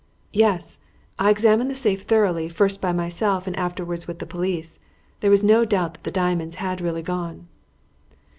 "Yes; I examined the safe thoroughly, first by myself and afterwards with the police. There was no doubt that the diamonds had really gone."